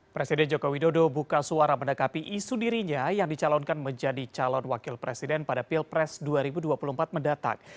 presiden jokowi dodo buka suara mendekapi isu dirinya yang dicalonkan menjadi calon wakil presiden pada pilpres dua ribu dua puluh empat mendatang